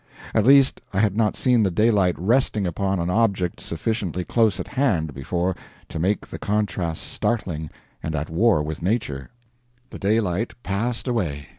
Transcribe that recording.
At least I had not seen the daylight resting upon an object sufficiently close at hand, before, to make the contrast startling and at war with nature. The daylight passed away.